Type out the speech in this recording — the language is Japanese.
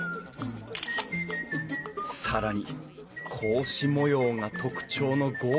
更に格子模様が特徴の格